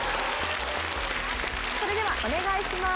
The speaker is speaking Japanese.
それではお願いします。